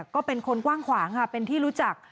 ก็เป็นคนกว้างขวางค่ะเป็นที่รู้จัก